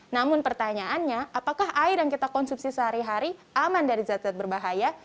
namun pertanyaannya apakah air yang kita konsumsi sehari hari aman dari zat zat berbahaya